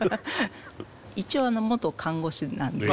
一応元看護師なので。